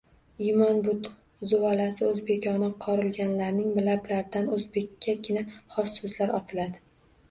Iymoni but, zuvalasi oʻzbekona qorilganlarning lablaridan oʻzbekkagina xos soʻzlar otiladi.